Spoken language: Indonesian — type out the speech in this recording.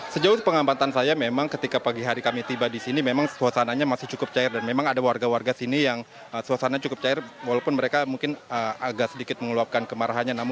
sejauh pengamatan saya memang ketika pagi hari kami tiba di sini memang suasananya masih cukup cair dan memang ada warga warga sini yang suasana cukup cair walaupun mereka mungkin agak sedikit mengeluapkan kemarahannya